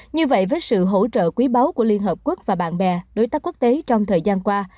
như vậy với sự hỗ trợ quý báu của liên hợp quốc và bạn bè đối tác quốc tế trong thời gian qua